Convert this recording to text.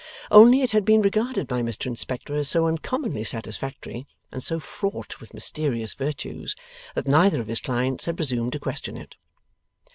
Only it had been regarded by Mr Inspector as so uncommonly satisfactory, and so fraught with mysterious virtues, that neither of his clients had presumed to question it.